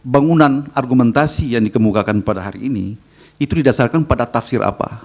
bangunan argumentasi yang dikemukakan pada hari ini itu didasarkan pada tafsir apa